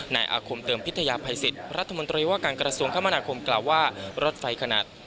นายอาคมเติมพิทยาภัยสิทธิ์รัฐมนตรีว่าการกระทรวงคมนาคมกล่าวว่ารถไฟขนาด